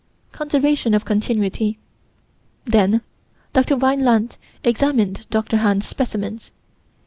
Conservation of Continuity. Then Dr. Weinland examined Dr. Hahn's specimens.